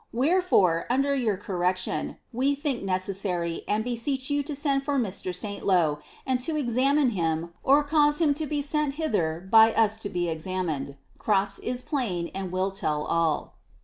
Wherefore, under your correction, we think necessary, and beseech you to send for Mr. Saintlow, and to ex amine him, or cause him to be sent hither, by us to be examined. Crofts is plain, and will tell all."'